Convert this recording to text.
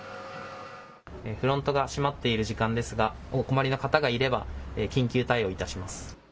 フロントが閉まっている時間ですが、お困りの方がいれば緊急対応いたします。